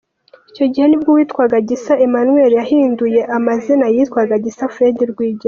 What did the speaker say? Icyo gihe nibwo uwitwaga Gisa Emmanuel yahinduye amazina yitwa Gisa Fred Rwigema.